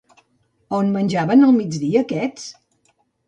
A on menjaven al migdia aquests?